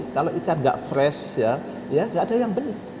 kalau ikan nggak fresh ya nggak ada yang beli